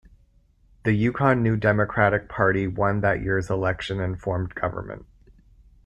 The Yukon New Democratic Party won that year's election and formed government.